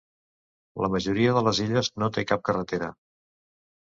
La majoria de les illes no té cap carretera.